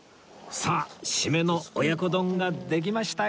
さあ締めの親子丼ができましたよ